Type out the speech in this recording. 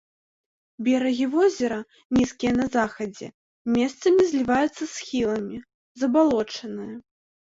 Берагі возера нізкія на захадзе, месцамі зліваюцца з схіламі, забалочаныя.